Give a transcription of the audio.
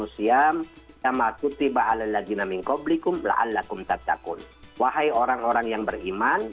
wahai orang orang yang beriman